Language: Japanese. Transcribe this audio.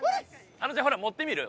あのちゃんほら持ってみる？